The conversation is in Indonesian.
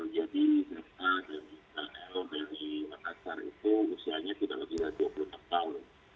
jadi mabespol dari makassar itu usianya tidak lebih dari dua puluh empat tahun